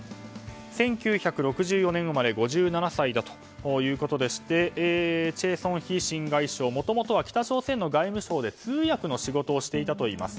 １９６４年生まれの５７歳だということでしてチェ・ソンヒ新外相もともとは北朝鮮の外務省で通訳の仕事をしていたといいます。